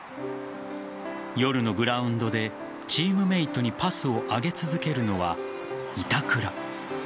夜のグラウンドでチームメートにパスを上げ続けるのは板倉。